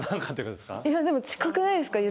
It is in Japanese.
でも近くないですか？